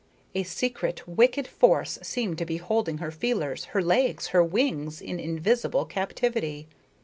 A secret, wicked force seemed to be holding her feelers, her legs, her wings in invisible captivity.